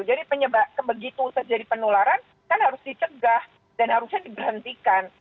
jadi begitu usaha penularan kan harus dicegah dan harusnya diberhentikan